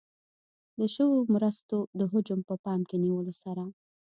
د شویو مرستو د حجم په پام کې نیولو سره.